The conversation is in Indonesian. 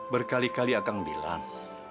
berkali kali akan bilang